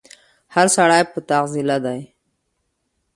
هر سړی په تعضيله دی